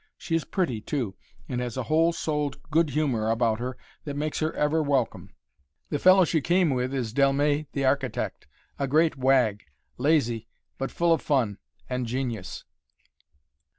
She is pretty, too, and has a whole souled good humor about her that makes her ever welcome. The fellow she came with is Delmet the architect a great wag lazy, but full of fun and genius.